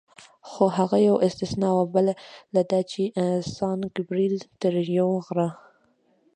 خو هغه یوه استثنا وه، بله دا چې سان ګبرېل تر یو غره.